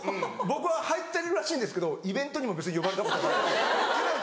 僕は入ってるらしいんですけどイベントにも別に呼ばれたことはない。